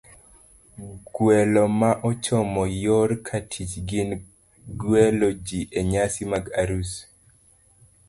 Gwelo ma ochomo yor katich gin gwelo ji e nyasi mag arus,